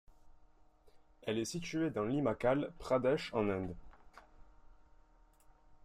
Elle est située dans l'Himachal Pradesh en Inde.